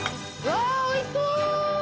わぁおいしそう！